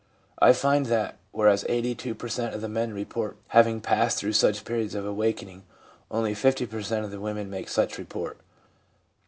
I find that, whereas 82 per cent, of the men report having passed through such periods of awakening, only 50 per cent, of the women make such report.